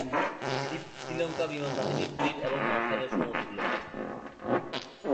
এটি শ্রীলঙ্কা বিমান বাহিনীর ফ্লিট এবং মার্শালের সমতুল্য।